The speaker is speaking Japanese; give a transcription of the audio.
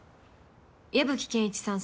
矢吹健一さん